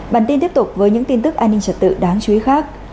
bản tin tiếp tục với những tin tức an ninh trật tự đáng chú ý khác